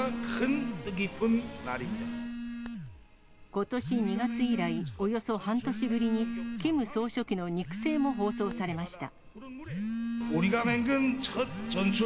ことし２月以来、およそ半年ぶりに、キム総書記の肉声も放送されました。